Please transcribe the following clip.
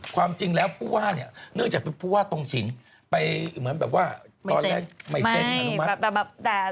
ความจริงแล้วผู้ว่าเนี่ยเนื่องจากเป็นผู้ว่าตรงฉินไปเหมือนแบบว่าตอนแรกไม่เซ็นอนุมัติ